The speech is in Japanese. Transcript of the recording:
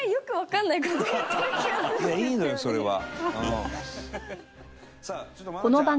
いやいいのよそれは。